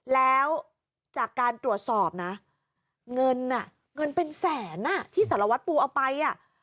แล้วจากการตรวจสอบนะเงินเป็นแสนที่สารวัตรปูเอาไป